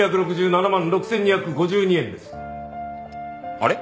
あれ？